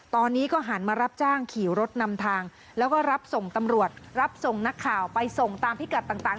ตอนนี้ก็หันมารับจ้างขี่รถนำทางแล้วก็รับส่งตำรวจรับส่งนักข่าวไปส่งตามพิกัดต่าง